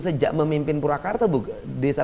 sejak memimpin purwakarta desa